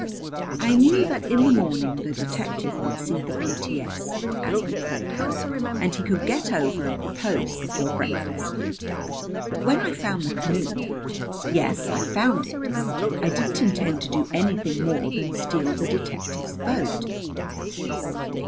"I knew that in the morning the detective would see the P.T.S., as we called her, and he could get over and propose before breakfast. But when I found the canoe yes, I found it I didn't intend to do anything more than steal the detective's boat."